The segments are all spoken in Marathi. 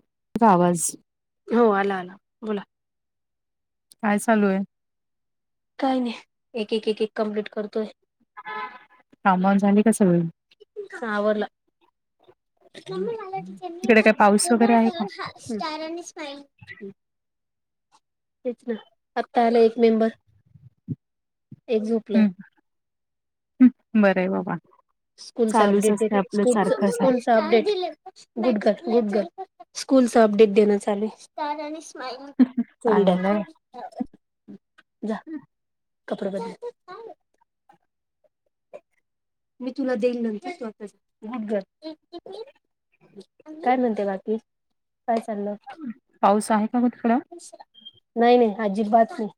[unintelligible] आवाज. हो आला आला बोला. काय चालू आहे. काही नाही एक एक एक एक कम्प्लीट करतोय. काम [unintelligible] झाली का सगळी. आवरलं. [unintelligible] तिकडे काय हम्म पाऊस वगैरे आहे का हम्म. [unintelligible] तेच ना आता आला एक मेंबर एक झोपलाय. हम्म बरं आहे बाबा स्कूलचा चालूच अपडेट दे असते ग आपलं स्कूलच सारखं सारखं स्कूलच update good girl good girl school update देन चालुय. चांगलंय [unintelligible] जा कपडे बदल. मी तुला देईल नंतर स्वतःच गुड गर्ल काय म्हणते बाकी. काय चाललं पाऊस आहे का ग तिकडं. नाही नाही अजिबात नाही.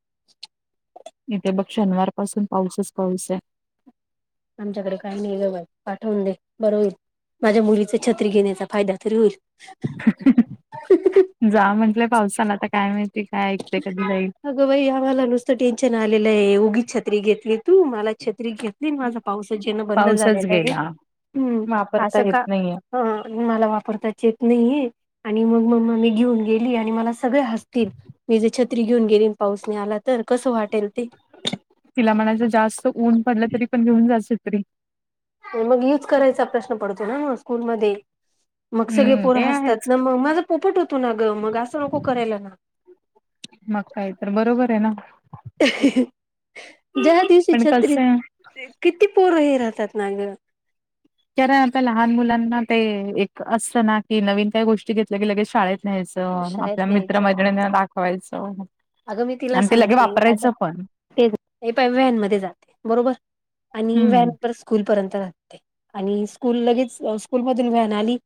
इथे बघ शनिवार पासून पाऊसच पाऊस आहे. आमच्याकडे काही नाही ग बाई पाठवून दे बर होईल. माझ्या मुलीचा छत्री घेण्याचा फायदा तरी होईल. जा म्हटलंय पावसाला आता काय माहिती काय ऐकते कधी जाईल. अगं बाई आम्हाला नुसतं टेन्शन आलेलं आहे उगी छत्री घेतली तू मला छत्री घेत. माझा पाऊस जेणं बंद पाऊसच झालेला आहे गेला हम्म वापरता असं का? येत नाहीये ह मला वापरता येत नाही. आणि मग मग् मी घेऊन गेली आणि मला सगळे हसतील. मी जे छत्री घेऊन गेलीन पाऊसने आला तर कसं वाटेल ते तिला म्हणायचं जास्त ऊन पडलं तरी पण घेऊन जायचं तरी मग युज करायचा प्रश्न पडतो ना ना स्कूलमध्येध्ये मग सगळे हम्म पोरं ते हसतात आहेच ना मग माझा पोपट होतो ना ग मग असं नको करायला ना मग काही तर बरोबर आहे ना. ज्या दिवशी पण छत्री कसं आहे किती पोर हे राहतात नाग कारण आता लहान मुलांना ते एक असतं ना की नवीन काय गोष्टी घेतल्या गेलं के शाळेत ्यायच शाळेत आपल्या न्यायचं मित्रमैध दाखवायचं. अगं मी तिला आणि ते लगे सांगते आता वापरायचं पण. ते प व्हॅन मध्ये जाते बरोबर आणि व्हॅन हम्म स्कूल पर्यंत राहते आणि स्कूल लगेच स्कूल मधून व्हन आली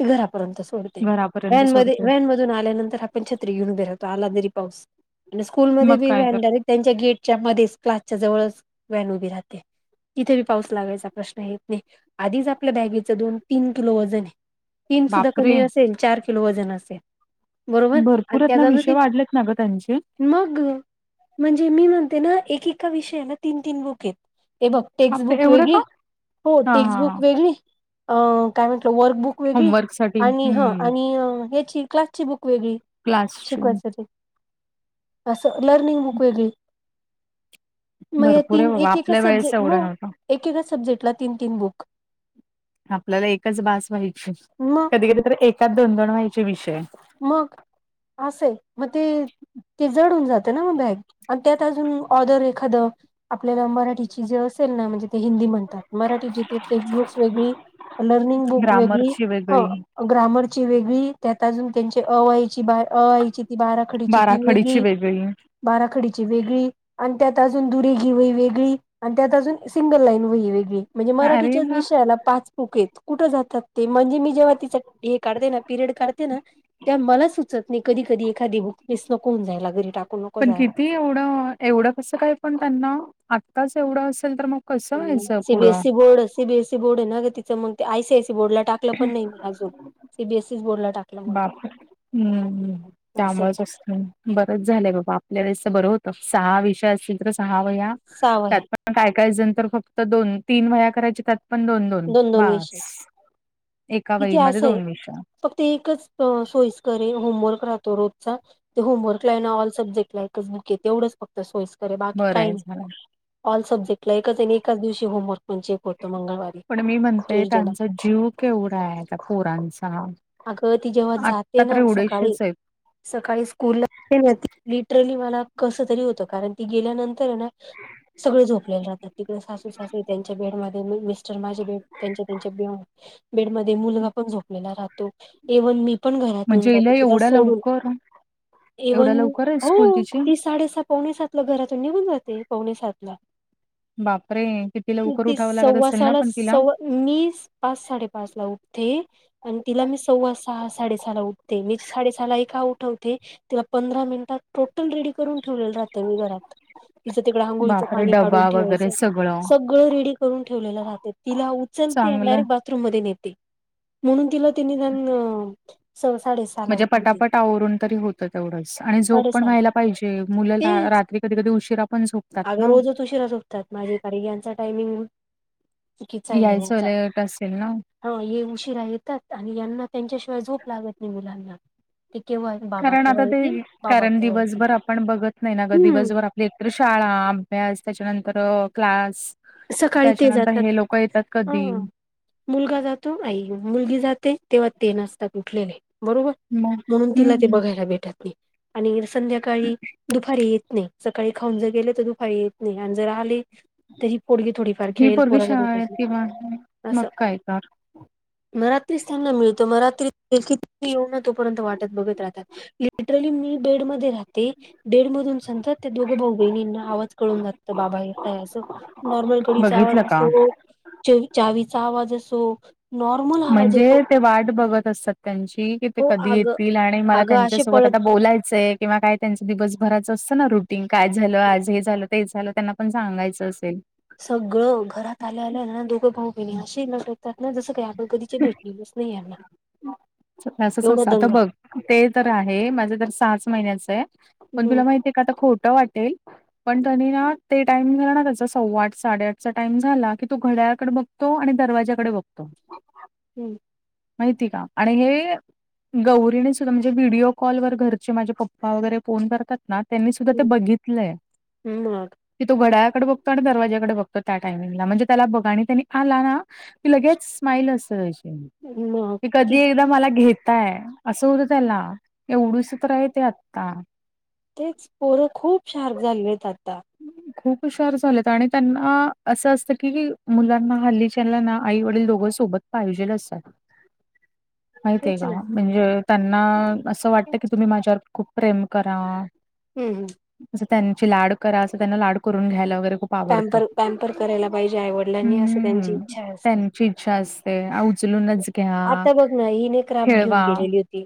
तर घरापर्यंत ोड घरापर्यंत व्हॅन म सोडते. व्हॅन मधून आल्यानंतर आपण छत्री घेऊन उभे राहतो आला तरी पाऊस. आणि स्कूलमध्येध्ये मग बी काय तर व्हॅन डायरेक्ट त्यांच्या गेटच्या मध्येच क्लास च्या जवळच व्हॅन उभी राहते. तिथे पाऊस लागायचा प्रश्न येत नाही आधीच आपल्या बॅगेचं दोन तीन किलो वजन आहे. तीन सुद्धा बापरे! कमी असेल चार किलो वजन असेल. बरोबर आणि भरपूरत ना त्याचा विषय जरी वाढलेत ना ग त्यांचे मग म्हणजे मी म्हणते ना एकेका विषयाला तीन तीन बुक आहेत हे बघ. बापरे! टेक्स्टबुक एवढं वेगळी का? हो हा हा हा टेक्स्टबुक वेगळी अ काय म्हटलं वर्कबुक वेगळी होमवर्क साठी आणि ह हम्म आणि याची क्लास ची बुक वेगळी क्लासची शिकवायसाठी. असं लर्निंग बुक वेगळी मग भरपूर आहे तीन बाबा एकका आपल्या वेळेस सब्जेक्ट एवढं ना नव्हतं. एकेका सब्जेक्टला तीन तीन बुक आपल्याला एकच बास व्हायची मग कधी कधी तर एच दोन दोन व्हायचे विषय मग असंय मग ते ते जडून जात. ना म बॅग आणि त्यात अजून ऑर्डर एखादं आपल्याला मराठीची जे असेल ना म्हणजे ते हिंदी म्हणतात. मराठीचीथे टेक्स्ट बुक्स वेगळी लर्निंग बुक वेगळी ग्रामरची ह वेगळी, ग्रामरची वेगळी त्यात अजून त्यांचे अवय ची ब याची ती बाराखडीची ती वेगळी बाराखडीची वेगळी आणि त्यात अजून दुरे घी वही वेगळी आणि त्यात अजून सिंगल लाईन वही वेगळी म्हणजे अरे मराठीच्याच वाह! विषयाला पाच चुकेत कुठे जातात ते म्हणजे मी जेव्हा ति हे काढते ना पिरियड काढते. ना त्या मला सुचत नाही कधी कधी एखादी बुकनेस नकोन जायला घरी टाकू नको पण जायला. किती एवढं एवढं कस काय पण त्यांना आत्ताच एवढं असेल तर मग कसं व्हायचं पुढं? सीबीएसई बोर्ड सीबीसी बर्ड आहे नाग तिं मग ते आयीयसी बोर्ड टाकलं पण नाही अज सीबीएस बर्डला टाक. बाप हम्म् असं त्यामुळेच असते. बरंच झालंय बाबा आपल्याला दिस बरं होतं सहा विषय असतील तर सहा वया सहा त्यात वह्या पण काय कायचल तर फक्त दोन तीन वया करायचे. पण दोन दोन बस एका वयमध्ये दोन वर्ष फक् ते एकच सोयस करे होमवर्क राहतो रोजचा ते होमवर्क ला आहे ना ऑल सब्जेक्ट ला आहे. क तेवढंच फक्त सोयस्करे बाकी बरं काही आहे नाही. झालं. ऑल सब्जेक्टला एकच आणि एच दिवशी होमवर्क म्हणजे एक होतं मंगळवारी पण मी म्हणतेय ट्युजडेला त्यांचा जीव केवढा आहे त्या पोरांचा अगं ती जेव्हा आत्ता जाते तर ना सकाळी एवढेसेच आहेत. सकाळी स्कूलला ना लिटरली मला कस तरी होत कारण ती गेल्यानंतर ना सगळे झोपलेले जातात तिकडे सासू सासू त्यांच्या बेड मध्ये मिस्टर माझ त्यां बेड म मुलगा पण झोपलेला राहतो इव्हन मी पण घरात येऊन म्हणजे जातो हिला तिला एवढ्या सोडून लवकर एवढ्या इव्हन लवकर आहे हो स्कूल तिची? ती साडेस पवणे सात ला घरातून निघन जाते पवणे सात ला बापरे किती लवकर उठावं लागत सव्वा असेल ना सहाला पण तिला सव्वा मी पाच साडेपाच ला उठते आणि तिला मी सव्वा सहा साडेसहाला उठते मी साडेसहा एका उठवते तिला पंधरा मिनिटात टोटल रेडी करून ठेवलेलं राहत मी घरात तिचं तिकडं हांघोळीचं बापरे पाणी काढून डबा वगैरे ठेवायचं सगळं सगळं रेडी करून ठेवलेलं राहं इला चांगलं उचलतेणार म्हण म्हणजे पटापट आवरून तरी होतं तेवढंच आणि झोप पण साडेसहाला व्हायला पाहिजे मुलं ते रात्री कधी कधी उशीिरा पण झोपतात ना सुशरा झोपतात माझे कार यांचा टायमिंग चुकीचा आहे यायचं येण्याचा उलट असेल ना हा ये उशिरा येतात आणि यांना त्यांच्याशिवाय झोप लागत नाही मुलांना ते केव्हा बाबा कारण केव्हा आता ते येतील बाबा कारण केव्हा येतील दिवसभर आपण बघत नाही ना ग हम्म दिवसभर तर शाळा अभ्यास त्याच्यानंतर क्लास सकाळी ते त्याच्यानंतर जातात हे लोक येतात ह कधी मुलगा जातो आई मुलगी जाते तेव्हा ते नाचतात उठलेले बरोबर मग म्हणून तिला ते हम्म बघायला भेटत नाही आणि संध्याकाळी दुपारी येत नाही सकाळी खाऊन जर गेले तर दुपारी येत नाही आणि जर आले तरी पोडगे थोडी फ ही खेळ पोरगी पोराला शाळेत भेटत किंवा मग असं काय तर मरात्रीच त्यांना मिळत मरात्री कि येऊ ना तोपर्यंत वाटत बघत राहतात लिटरली मी बेड म राहते बडेड मधून सतात ते दोघं भाऊ बहिणींना आवाज कळून जगतं बाबा येतय असं नॉर्मल कढीचा आवाज बघितलं का असो च चावीचा आवाज असो नॉर्मल आवाज येतो म्हणजे ते वाट बघत असतात त्यांची कि ते हो कधी आग येतील आणि मला आगं असे त्यांच्यासोबत पळत आता बोलायचंय किंवा काय त्यांच दिवसभराचं असतं ना रुटीन काय झालं आज हे झालं ते झालं त्यांना पण सांगायचं असेल सगळं घरात आले आल्या दोघं भाऊ बहिणी अशी नटकतात ना जसं काही आपण कधीच्या भेटलेलच नाही आहेना असं आता बघ ते तर आहे माझे तर सच महिन्याचं आहे पण तुला मग माहिती आहे का आता खोटं वाटेल पण तनी ना ते टाइम झाला ना त्याचा सव्वा आठ साडेआठचा टाइम झाला की तू घड्याकडडे बघ तो आणि दरवाज्याकडे बघतो हम् माहिती का आणि हे गौरीने सुद्धा म्हणजे व्हिडिओ कॉल वरचे माझे पप्पा वगैरे फोन करतात ना त्यांनी सुद्धा ते मग बघितलंय मग की तो घड्याकडे बघतो आणि दरवाज्याकडे बघतो त्या टायमिंगला म्हणजे त्याला बघाणी त्यांनी आला ना त लगेच स्माईल अस अ ह म क कधी एकदा मला घेताय असं होतं त्याला एवढीच तर आहे ते आता तेच पोरं खूप शार्प झालेत आता खूप हुशार झालेत आणि त्यांना असं असतं की मुलांना हल्लीच्याला ना आई वडील दोघं सोबत फावजी नसतात. [inaudible] माहित आहे तेच का ना. म्हणजे त्यांना असं वाटतं की तुम्ही माझ्यावर खूप प्रेम करा. हम् हम. जं त्यांची लाड करा असं त्यांना लाड करून घ्यायला वगैरे खूप आवडतं. पॅमपर पॅम्पर करायला पाहिजे आईवडलांनी असं त्यांची हम्म. इच्छा असते. त्यांची इच्छा असते "आ, उचलूनच घ्या, आता बघ ना हिने क्राफ्ट घेऊन खेळवा गेलेली होती.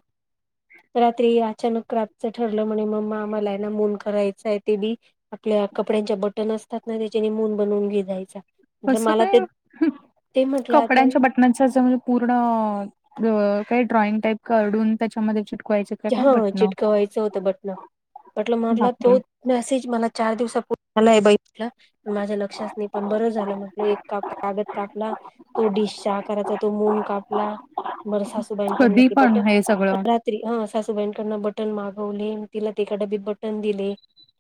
रात्री अचानक रातचं ठरलं म्हणे मग् आम्हाला आहे ना मौन करायचंय ते बी आपल्या कपड्यांच्या बटन असतात ना त्याच्या नि मून बनवून घे जायचा. म्ह कसं मला काय ते ते म्हटलं आता. नच म्हणजे पूर्ण काही ड्रॉइंग टाईप काडून त्याच्यामध्ये चिटकवायचे. का काय हा बटणं. चिटकवायचं होतं बटन बटलं म्हटला बापरे! तो मेसेज मला चार दिवसापू झालाय बलं पण माझ्या लक्षात नाही पण बरं झालं म्हटलं एक काप कागद कापला. तो डिश चहा करायचा तो मून कापला कधी बरसाासोबायाकड बट पण हे सगळं. स्त्री ह सासूबाईंकडन बटन मागवले तिला ते एका डबीत बटन दिले.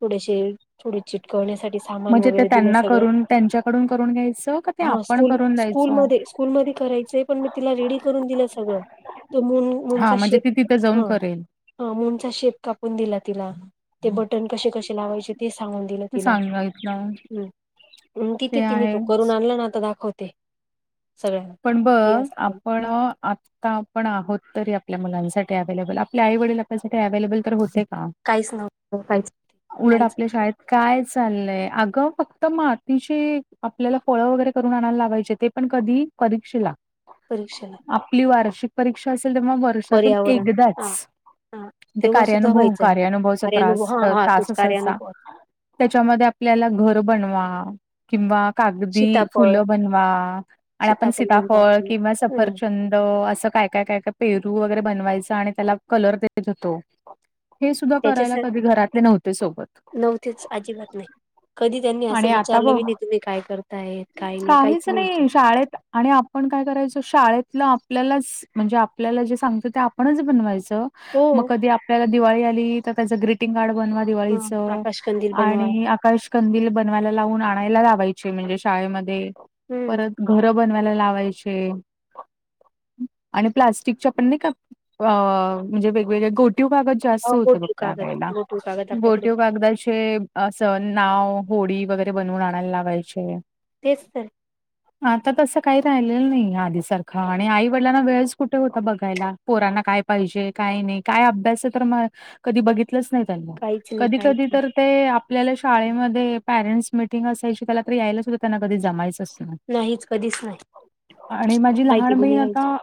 थोडेसे थोड चिटकवण्यासाठी सामान म्हणजे ते वगैरे दिलं त्यांना सगळं करून त्यांच्याकडून करून घ्यायचं का ते हा आपण स्कूल करून स्कूल म द्यायचं? स्कूलमध्ये करायच. पण मी तिला रेडी करून दिलं सगळं तो मून मूनचा हां, म्हणजे ती शेप तिथे जाऊन हा करेल. हा मूडचा शेप कापून दिला तिला ते बटन कसे कसे लावायचे ते सांगून दिलं. ते सांगा इतला. हम् तिथे तिने तो करून आणला ना आता दाखवते. सगळ्यांना पण बघ आपण आता. आपण आहोत तरी आपल्या मुलांसाठी अव्हेलेबल आपल्या आई वडील आपल्यासाठी अव्हेलेबल तर होते का? काहीच नव काहीच. उलट आपल्या शाळेत काय चालंय अगं फक्त मातीचे आपल्याला फळं वगैरे करून आणायला लावायचे ते. पण कधी परीक्षेला परीक्षण आपली वार्षिक परीक्षा असेल तेव्हा वर्षातून पर्यावरण हा एकदाच हा ते तेव्हा सुद्धा कार्यानुभव व्हायचं नाही कार्यानुभवच कार्यानुभव त्रास हा हा तास तोच असायचा. कार्यानुभव त्याच्यामध्ये आपल्याला घर बनवा किंवा कागदी सीताफळ फुलं बनवा. आणि आपण म्हणतो सीताफळ आपण किंवा हम् सफरचंद असं काय? काय काय पेरू वगैरे बनवायचा आणि त्याला कलर देत - होतो. हे सुद्धा करायला त्याच्यासाठी कधी घरातले नव्हते सोबत. नव्हतेच अजिबात नाही कधी त्यांनी असं आणि आता बघ विचारलं [unintelligible] तुम्ही काय - काहीच नाही शाळेत आणि आपण काय करायचं शाळेतलं आपल्याला म्हणजे आपल्याला जे सांगत ते आपणच बनवायचं. हो मग कधी आपल्याला दिवाळी आली तर त्याच ग्रीटिंग कार्ड बनवा. हा दिवाळीच आकाशकंदील बनवा आणि. आकाश कंदील बनवायला लावून आणायला लावायचे म्हणजे शाळेमध्ये हम्म परत. घरं बनवायला लावायचे. आणि प्लास्टिकच्या पण नाही का अ म्हणजे वेगवेगळ्या गोटीव कागद. हो जास्त होत बघ गोटीव त्या कागद वेळेला गोटीव कागद आपल्याकडे गोटीव कागदाचे असं नाव होळी वगैरे बनवून आणायला लागायचे. तेच तर. आता तसं काही राहिलेलं नाही आधी सारखा आणि आई वडिलांना वेळच कुठे होता बघायला. पोरांना काय पाहिजे काय नाही काय अभ्यास तर म - कधी बघितलंच नाही त्यांना काहीच नाही कधी काहीच कधी नाही तर ते आपल्याला शाळेमध्ये पॅरेंस मिटींग असायची त्याला रात्री यायला सुद्धा त्यांना कधी जमायचं. नाहीच कधीच नाही आणि माझी माहिती लहान बी बहीण नाही राहायची आता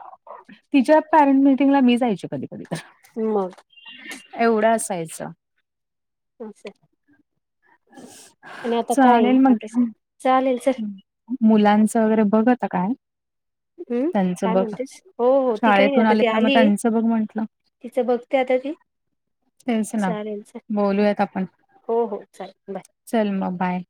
तिच्या पॅरेंट मिटींगला मी जायचे कधी कधी तर. मग? एवढं असायचं. [unintelligible] आणि आता काय आहे चालेल मग आता घ्यु. चालेल चल. मुलांच वगैरे बघ आता काय? हम्म त्यांचं काय बघ म्हणतेस हो हो ती काही नाही शाळेतून आता आले ती त्यामुळे मग आलीय त्याचं बघ म्हटलं. तिचं बघते आता ती? तेच ना चालेल चल बोलूयात आपण. हो हो चालेल बाय. चल मग बाय.